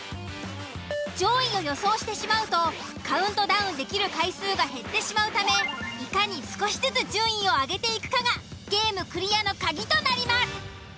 上位を予想してしまうとカウントダウンできる回数が減ってしまうためいかに少しずつ順位を上げていくかがゲームクリアのカギとなります。